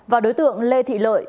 và đối tượng lê thị lợi